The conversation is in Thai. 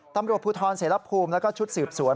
ตำรวจภูธรเศรษฐภูมิและชุดสืบสวน